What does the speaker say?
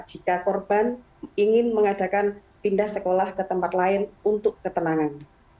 jika korban ingin mengadakan pindah sekolah ke tempat lain untuk ketenangan